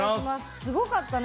すごかったね